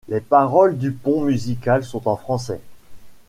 Les paroles du pont musical sont en français.